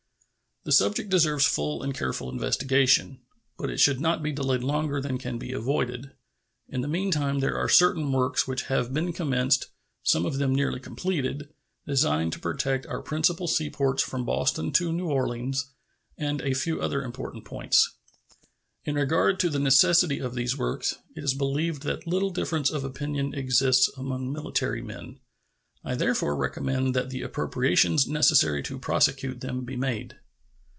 The subject certainly deserves full and careful investigation, but it should not be delayed longer than can be avoided. In the meantime there are certain works which have been commenced, some of them nearly completed, designed to protect our principal seaports from Boston to New Orleans and a few other important points. In regard to the necessity for these works, it is believed that little difference of opinion exists among military men. I therefore recommend that the appropriations necessary to prosecute them be made.